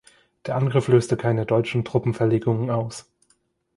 Der Angriff löste keine deutschen Truppenverlegungen aus.